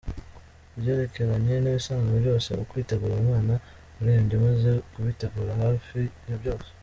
Ibyerekeranye n’ibisabwa byose mu kwitegura umwana urebye maze kubitegura hafi ya byose.